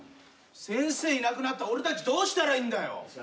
先生いなくなったら俺たちどうしたらいいんだよ！